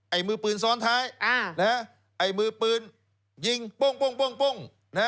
มือปืนซ้อนท้ายไอ้มือปืนยิงโป้ง